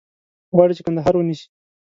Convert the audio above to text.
غواړي چې کندهار ونیسي.